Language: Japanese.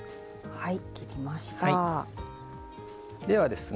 はい。